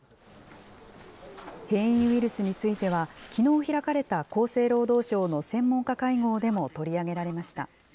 変異ウイルスについては、きのう開かれた厚生労働省の専門家会合でも取り上げられました。